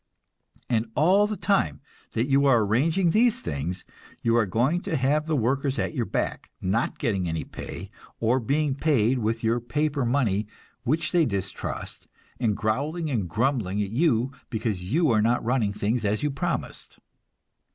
And all the time that you are arranging these things, you are going to have the workers at your back, not getting any pay, or being paid with your paper money which they distrust, and growling and grumbling at you because you are not running things as you promised.